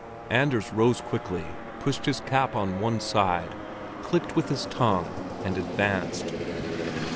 Anders rose quickly, pushed his cap on one side, clicked with his tongue, and advanced.